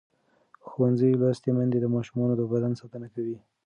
ښوونځې لوستې میندې د ماشومانو د بدن ساتنه کوي.